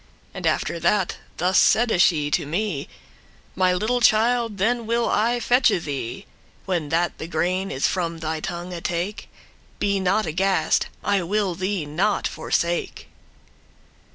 And after that thus saide she to me; 'My little child, then will I fetche thee, When that the grain is from thy tongue take: Be not aghast,* I will thee not forsake.